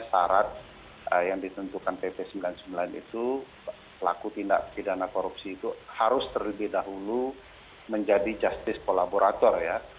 syarat yang ditentukan pp sembilan puluh sembilan itu pelaku tindak pidana korupsi itu harus terlebih dahulu menjadi justice kolaborator ya